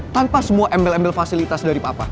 tanpa semua embel embel fasilitas dari papa